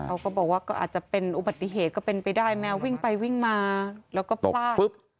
อาจจะเป็นอุบัติเหตุก็เป็นไปได้แมววิ่งไปวิ่งมาแล้วก็พลาด